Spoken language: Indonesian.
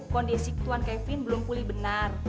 kondisi tuan kevin belum pulih benar